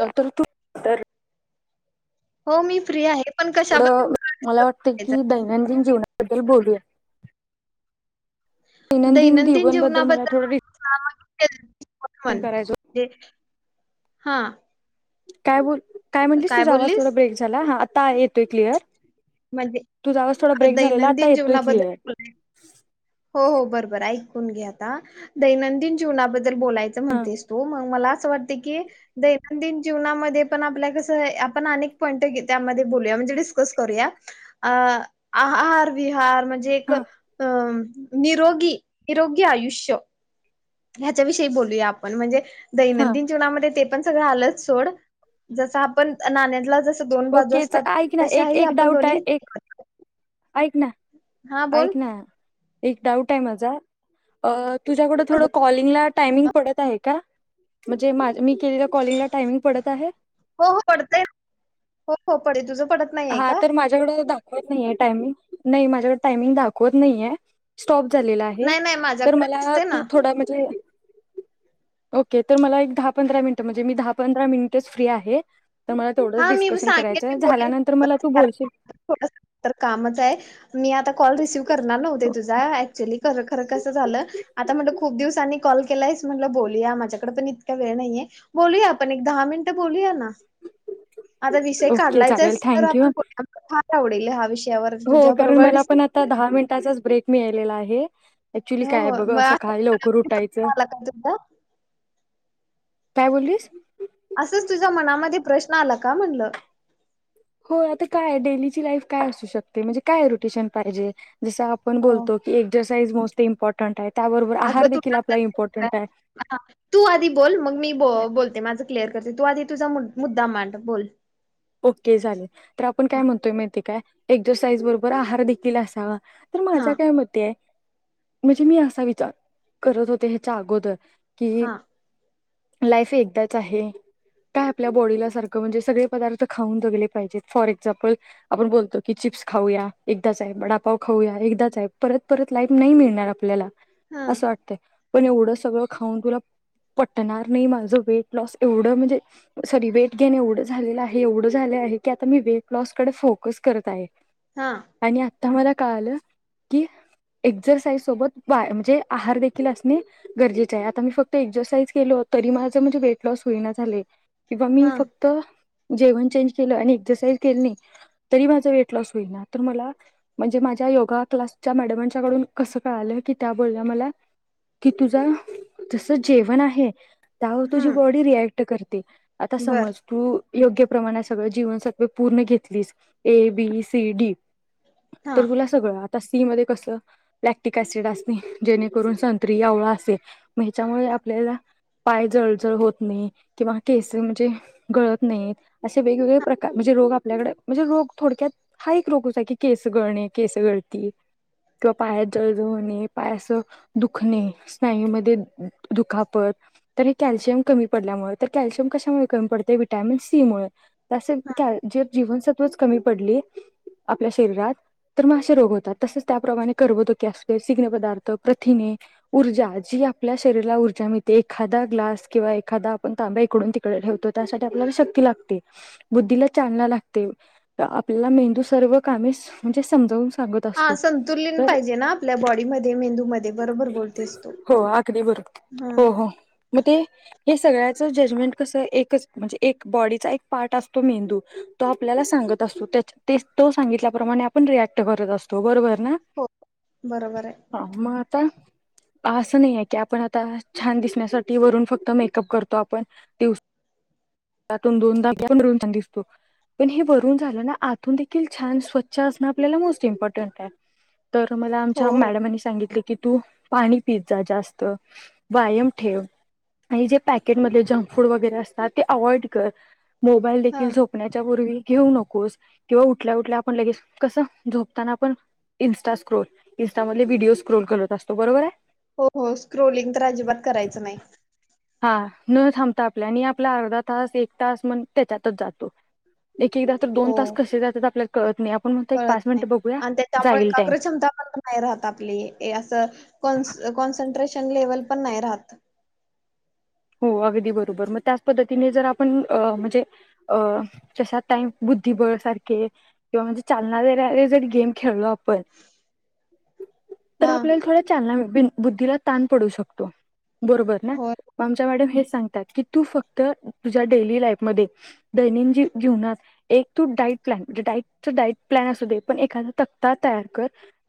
तर तर तू [unintelligible] हो मी फ्री आहे. पण कशाबद्दल थोडं तुला मला डिस्कस वाटत करायचं की दैनंदिन जीवनाबद्दल बोलूया. दैनंदिन जीवनबद्दल मला थोडं डिस्कशन करायचं होतं. जीवनाबद्दल [unintelligible] [unintelligible] हा काय बोल काय म्हटलीस तुझा आवाज थोडा ब्रेक झाला हा आता येतोय क्लिअर. म्हणजे तुझा आवाज थोडा अ, ब्रेक झालेला, आता दैनंदिन येतो एक जीवनाबद्दल क्लिअर. बोलाय हो हो बरोबरं ऐकून घ्या आता दैनंदिन जीवनाबद्दल बोलायचं हा म्हणतेस तू मग मला असं वाटतं की दैनंदिन जीवनामध्ये पण आपल्या कस आहे कि आपण अनेक पॉइंट की ती मध्ये बोलूया म्हणजे डिस्कस करूया अं आहार विहार म्हणजे एक हा अं निरोगी निरोगी आयुष्य ह्याच्या विषयी बोलूया आपण म्हणजे, हा दैनंदिन जीवनामध्ये ते पण सगळं आलंच सोड, जस आपण नाण्यातला जस दोन बाजू ओके च- असतात ऐक ना एक तशाही एक आपण डाऊट आहे दोन्ही एक ऐक ना हा बोल ऐक ना एक डाऊट आहे माझा अ तुझ्याकड थोडं हो कॉलिंगला टाइमिंग पडत आहे का? म्हणजे माझ मी केले कॉलिंगला टामिंग पडत आहे? हो पडतय हो हो पडे तुझं पडत नाहीये हा का तर माझ्याकड दाखवत नाही टायमिंग नाही माझ्याकडे टायमिंग दा होत नाही स्टॉप झालेला आहे नाही नाही तर माझ्याकडे मला दिसते तू ना थोडा म्हणजे, ओके तर मला एक दहा पंधरा मिनट म्हणजे मी दहा पंधरा मिनिटच फ्री आहे. तर मला तेवढंच डिस्कशन करायचं झाल्यानंतरहा [unintelligible] थोड कामच आहे मी आ कॉल रिसीव्ह करणार नव्हते तुझाऍक्च्युअली खर खरं कसं झालं आता म्हटलं खूप दिवसांनी कॉल केला आहेस म्हटल बोलूया माझ्याकडे पण इतका वेळ नाहीये. बोलूया आपण एक दहा मिनटं बोलूया ना! आता विषय ओके चालेल काढलायचाच तर जस्ट [unintelligible] थँक्यू आपणणी फार आवडेल हा विषय हो कारण मला पण आता दहा मिनटाचाच ब्रेक मिळालेला आहे. ऍक्च्युली हो काय हो बघ मग असं असाच काल लवकर उठायचं प्रश्न आला का तुझा? काय बोललीस. असंच तुझ्या मनामध्ये प्रश्न आला का म्हणलं? हो आता काय डेलीची लाईफ काय असू शकते म्हणजे काय रोटेशन पाहिजे. जसं आपण हो बोलतो की एक्झरसाईइज मोस्ट इम्पॉर्टंट आहे त्याबरोबर आहार देखील आपला इम्पॉर्टंट आहे. हा तू आधी बोल मग मी ब बोलते माझं क्लिअर करते तू आधी तुझा मुद्दा मांड बोल ओके झाले तर आपण काय हां म्हणतोय माहितीय काय एक्झरसाईज बरोबर आहार देखील असावा. तर माझ्या हां काय मते आहे. म्हणजे मी असा विचार करत होते ह्याच्या अगोदर की, लाईफ एकदाच आहे काय आपल्या बॉडीला सारखं म्हणजे सगळे पदार्थ खाऊन जगले पाहिजेत फॉर एक्झाम्पल आपण बोलतो की चिप्स खाऊया, एकदाच आहे वडापाव, खाऊया एकदाच आहे, परत परत लाईफ नाही मिळणार आपल्याला हां असं वाटतंय पण एवढं सगळं खाऊन तुला पटणार नाही माझं वेट लॉस एवढं म्हणजे सॉरी वेट ग्रेन एवढं झालेलं आहे. एवढ झाल आहे की मी आता वेट लॉस कडे फोकस करत आहे हां हां आणि आम्हाला काय आलं की, एक्झरसाइज सोबत बा म्हणजे आहार देखील असणे गरजेचे आहे आता मी फक्त एक्सरसाईज केल होत. तरी माझ म्हणजे वेट लॉस होईना झाले किंवा मी हां फक्त जेवण चेंज केल आणि एक्सरसाइज केली नाही तरी माझ वेट लॉस होईल ना तर मला म्हणजे, माझ्या योगा क्लासच्या मॅडमच्या कडून कस कळालं की त्या बोलल्या मला कि तुझा जस जेवण आहे. त्यावर तुझी हं बॉडी रिएक्ट करते आता बर समज तू योग्य प्रमाणात सगळं जीवनसत्व पूर्ण घेतलीस ए बी सी डी तर हां. तुला सगळं आ सी मध्ये कस लॅक्टिक सिड असणे जेणेकरून संत्री आवळा असेल ह्याच्यामुळे आपल्याला पाय जळजळ होत नाही किंवा केस म्हणजे गळत नाही असे वेगवेगळे प्रकार म्हणजे रोग आपल्याकडे म्हणजे रोग थोडक्यात हा एक रोग हो की केसगळणे केस गळती, किंवा पायास जळज होणे, पायास दुखणे स्नायू म दुखापत, तर हे कॅल्शियम कमी पडल्यामुळे तर कॅल्शियम कशामुळे कमी पडते. व्हिटॅमिन सी मुळे, ज्जे जीवनसत्व कमी पडलंय आपल्या शरीरात तर मग असे रोग होतात तसेच त्याप्रमाणे करर्बतो कस् सिग्न, पदार्थ प्रथिने, ऊर्जा जी आपल्या शरीराला ऊर्जा मिळते, एखादा ग्लास किंवा एखादा आपण तांब्या इकडून तिकडे ठेवतो त्यासाठी आपल्याला शक्ती लागते, बुद्धीला चालना लागते, आपल्याला मेंदू सर्व कामे म्हणजे समजव हा संतुलन पाहिजे, ना आपल्या बॉडीमध्ये मेंदू मध्ये बरोबर बोलतेसतू हो अगदी बरोबर हो हो मग ते हे सगळ्याच जजमेंट कस एकच म्हणजे एक बॉडीचा एक पार्ट असतो मेंदू तो आपल्याला सांगत असतो तो सांगितल्या प्र रियाक्ट करत असतो, बरोबर णा हो बरोबर आहे. हा मग आता असं नाही आहे की आपण आता छान दिसण्यासाठी वरून फक्त मेकअप करतो, आपण दिवस त्यातून दोनदा प रन दिसतो. पण हे वरून झालं ना आतून देखील छान स्वच्छ असणं आपल्याला मोस्ट इम्पॉर्टंट आहे तर मला हो आमच्या हो मॅडमनी सांगितली. कि तू पाणी पिज जाा जास्त, व्यायाम ठेव. आणि जे पॅकेटमध्ये जंक फूड वगैरे असतात, ते अवॉइड कर मोबाईल हां. देखील झोपण्याच्या पूर्वी घेऊ नकोस किंवा उठल्या उठल्या आपण लगेच कसं झोपताना आपण इन्स्टा स्क्रोल, इ्स्टा मध व्हडडीओ स्क्रोल करत असतो, बरोबर आहे? हो हो स्क्रोलिंग तर अजिबात करायचं नाही. हा न थांबता आपल्या आणि आपला अर्धा तास एक तास मण त्याच्यातच जातो. एक एकदा तर हो दोन तास कसे जातात आपल्याला कळत नाही, आपण म्हणतो एक कळत पाच मिनिट बघूया जाईल टाईम. ्रेन पण नाही राहत हो अगदी बरोबर मग त्याच पद्धतीने जर आपण म्हणजे जश धिबळ सारखे किंवा म्हणजे चालना देणारे जरी गेम खेळल पण तर हा आपल्याला थोड्या चालना बुद्धीला ताण पडू शकतो बरोबर ना होय मड हे सात क तू फक्त तुझ्या डेली लाईफ म दन जीवनात तू डाट प्लणेल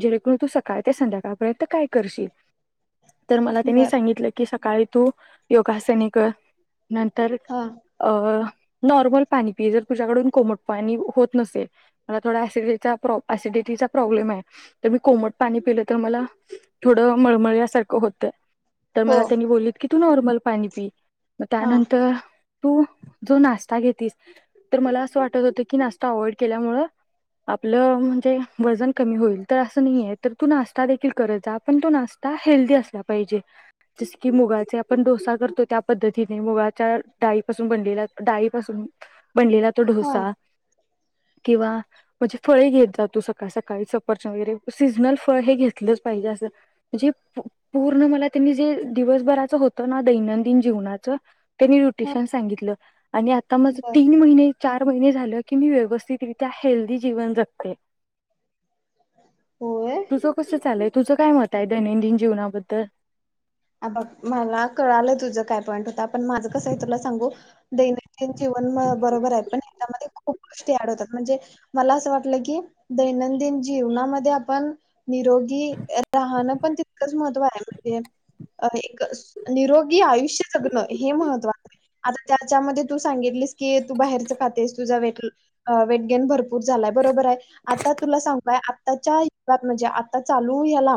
ए ज सकाळ ते संध्याकाळपर्यंत काय करशील तर मला त्यांनी बर सांगितलं की सकाळी तू योगासने कर नंतर हा अ नॉर्मल पाणी पि जर तुझ्याकडून कोमट पाणी होत नसेल मला थोडािडिडट प्रॉब्लेम आहे तर मी कोमट पाणी पिलं तर मला थोड मळमळ यासारखं होतय तर हो मला त्यांनी बोललीत की तू नॉर्मल पाणी पी मग हा त्यानंतर तू जो नाश्ता घेेतस तर मला असं वाटत होतं की नाश्ता अवॉइड केल्यामु आपलं म्हणजे वजन कमी होईल तर असं नाहीय तर तू नाश्ता देखील करत जा पण तो नाश जसं की हेल्दी असला पाहिजे जसे की आपण मुगाचा डोसा तो त्या पद्धतीने मुगाच्या डाळीपासून बनलेल्या डाळीपासून बनलेला तो हा ढोसा किंवा म्हणजे फळे घेत जातो सकाळ सकाळी सपरच वगैरे सीजनल फळ हे घेतलंच पाहिजे अस पूर्ण म दिवभ होत दैनंदिन जीवनाच त्यांनी हा रुटेशन सांगितलं आणि आता माझ बर तीन महिने चार महिने झाल की मी व्यवस्थितरित्या हेल्दीी जीवन जगते होय. तुझ कस चाललय तुझ काय मत आहे दैनंदिन जीवनाबद्दल. [unintelligible] मला कळालं तुझा काय पॉईंट होता पण माझं कस आहे तुला सांगू दैनंदिन जीवन बरोबर आहे त्याच्यामध्ये खूप खूप गोष्टी ऍड होतात म्हणजे मला असं वाटलं की दैनंदिन जीवनामध्ये आपण निरोगी राहणं पण तितकंच महत्त्व आहे म्हणजे अ एक निरोगी आयुष्य जगणं हे महत्त्वाचं आता त्याच्यामध्ये तू सांगितलीस की तू बाहेरच खातेस तुझा वेट वेट गेन भरपूर झालाय बरोबर आहे आता तुला सांगू काय आताच्या युगात म्हणजे आता चालू याला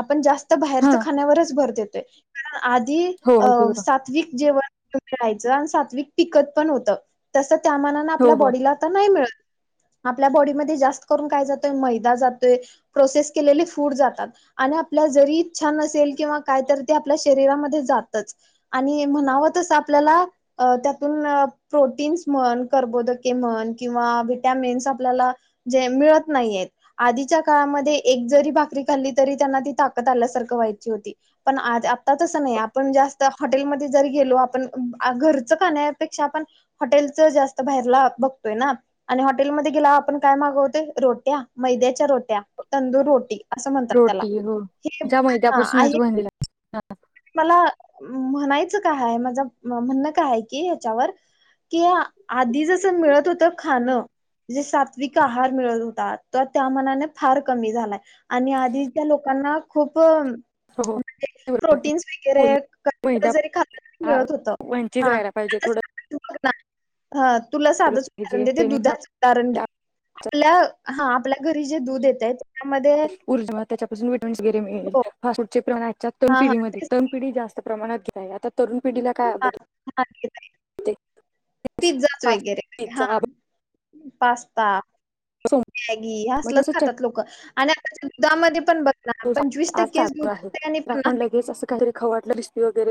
आपण जास् त हा बाहेरच खाण्या्यावरच भर देतोय कारण आधी हो अ अगदी बरोबर सात्विक जेवण राहायचं आणि सात्विक पिकत पण होत तस त्या मानांन आपल्या हो हो बॉडीला आता नाही मिळत [inaudible] आपल्या बॉडीमध्ये जास्त करून काय जातय मैदा जातोय प्रोसेस केलेले फूड जातात आणि आपल्या ला जरी छान असेल किंवा कायतर ते आपल्या शरीरामध्ये जातच आणि म्हणावतस आपल्याला त्यातून प्रोटी प्रोटीन्स म्हण कर्बोदके म्हण किंवा वि्हटॅमिन्स आपल्याला जे मिळत नाहीेयेत. आधीच्या काळामध्ये एक जरी भाकरी खाल्ली तरी त्यांना ती ताकद आल्यासारखं व्हायची होती. आ आत्ताच तसं नाही आपण जास्त हॉटेलमध्ये जर गेलो आपण घरचं खण्यापेक्षा आपण हॉटेलच जास्त बाहेरला बघतोय ना आणि हॉटेलमध्ये गेलावर आपण काय मागवतोय रोट्या मैद्याच्या रोट्या तंदूर रोटी असं म्हणतात त्याला रोटी हो हे ज्या अ मैद्यापासूनच आहे बनलेल्या मला मु म्हणायचं काय हाय माझं म्हणणं काय आहे की ह्याच्यावर कि आधी जसं मिळत होत खाणं जे सात्विक आहार मिळत होता त त्या मानाने फार कमी झालाय आणि आधी त्या लोकां ना खूप हो प्रोटीन्स वगैरे पोलीस मैदा [unintelligible] मिळत होत वंचित राहायला पाहिजे आता थोडं. बघ हा तुला खाल्लं साधच पाहिजे उदाहरण देते जेणेकरून दुधाच उदाहरण आपल्याला घे आजच्या आपल्या हा आपल्या घरी जे दूध येतेत हो. हां, हां. तेच [unintelligible] हां, हां. [unintelligible] पिझ्झाच फास्ट वगैरे पिझ्झा हा. बर्गर, पास्ता समोसा मॅगी म्हणजे असलच असं चट खातात लोक आणि आताच्या दुधामध्ये पण बघ ना च दूध असते आणि [unintelligible]